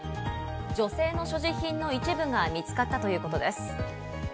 女性の所持品の一部が見つかったということです。